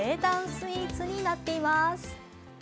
スイーツになっています。